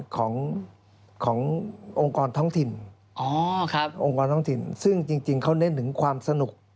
ขององค์กรท้องถิ่นองค์กรท้องถิ่นซึ่งจริงเขาเน้นถึงความสนุก